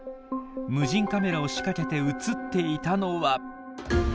無人カメラを仕掛けて写っていたのは。